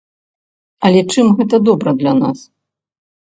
Але чым гэта добра для нас?